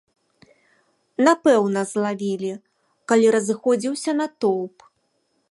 Напэўна, злавілі, калі разыходзіўся натоўп.